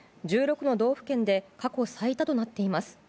１６の道府県で過去最多となっています。